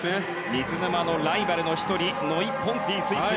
水沼のライバルの１人ノイ・ポンティ選手。